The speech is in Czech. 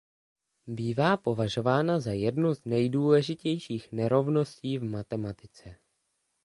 Bývá považována za jednu z nejdůležitějších nerovností v matematice.